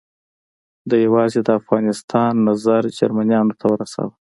ده یوازې د افغانستان نظر جرمنیانو ته ورساوه.